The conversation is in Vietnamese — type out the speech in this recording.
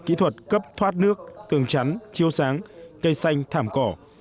kỹ thuật cấp thoát nước tường chắn chiêu sáng cây xanh thảm cỏ